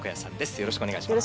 よろしくお願いします。